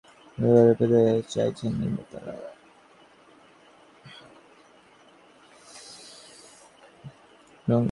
এতকিছুর পরও অনুষ্ঠানটির পরবর্তী মৌসুমে সালমানের পরিবর্তে রণবীরকে পেতে চাইছেন নির্মাতারা।